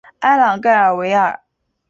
埃朗盖尔维尔。